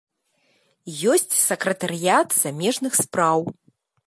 Ёсць сакратарыят замежных спраў.